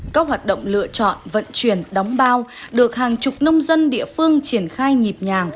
các hoạt động lựa chọn vận chuyển đóng bao được hàng chục nông dân địa phương triển khai nhịp nhàng